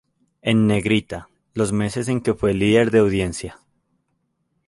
En negrita, los meses en que fue líder de audiencia.